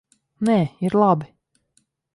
Nē, ir labi.